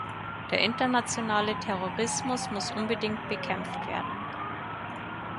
Der internationale Terrorismus muss unbedingt bekämpft werden.